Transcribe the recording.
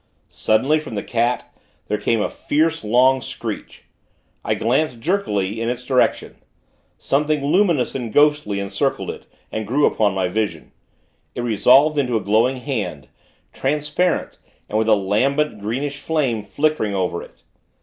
Suddenly, from the cat, there came a fierce, long screech. I glanced, jerkily, in its direction Something, luminous and ghostly, encircled it, and grew upon my vision. It resolved into a glowing hand, transparent, with a lambent, greenish flame flickering over it.